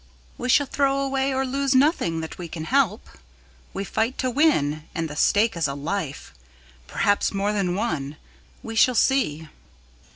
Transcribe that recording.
"We shall throw away or lose nothing that we can help. We fight to win, and the stake is a life perhaps more than one we shall see."